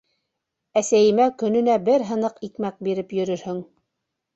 Әсәйемә көнөнә бер һыныҡ икмәк биреп йөрөрһөң.